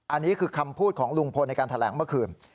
อันนี้คือคำพูดของลุงพลในการแถลงเมื่อคืน